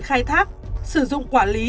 khai thác sử dụng quản lý